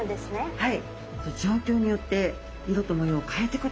はい。